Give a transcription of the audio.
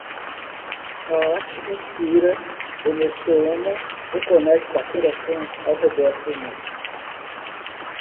A arte inspira, emociona e conecta corações ao redor do mundo.